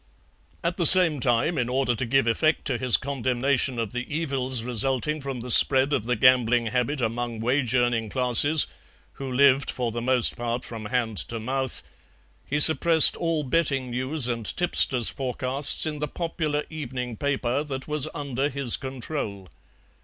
At the same time, in order to give effect to his condemnation of the evils resulting from the spread of the gambling habit among wage earning classes, who lived for the most part from hand to mouth, he suppressed all betting news and tipsters' forecasts in the popular evening paper that was under his control.